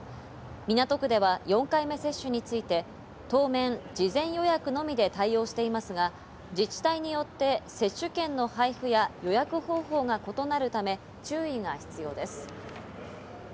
港区では４回目接種について、当面、事前予約のみで対応していますが、自治体によって接種券の配布や予約方法が異なるため注意が必要です。